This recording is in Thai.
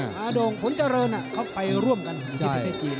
พาโด่งขนจริงไปร่วมกันที่มีพะเทศจีน